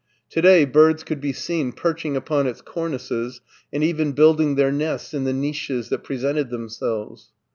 To day birds could be seen perching upon its cornices and even building their nests in the niches that presented them selves.